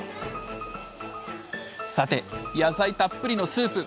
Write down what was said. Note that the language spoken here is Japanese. さて野菜たっぷりのスープ。